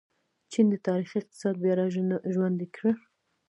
چین د تاریخي اقتصاد بیا راژوندی کړ.